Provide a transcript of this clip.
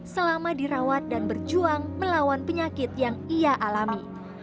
selama dirawat dan berjuang melawan penyakit yang ia alami